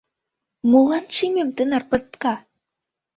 Молан шӱмем тынар пыртка?